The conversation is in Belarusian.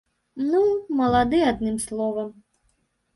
Ну, малады, адным словам.